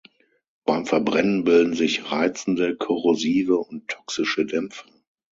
Beim Verbrennen bilden sich reizende, korrosive und toxische Dämpfe.